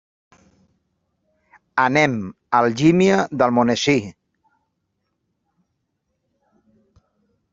Anem a Algímia d'Almonesir.